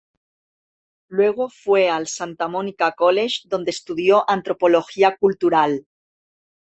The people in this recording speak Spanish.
Luego fue al Santa Monica College, donde estudió antropología cultural.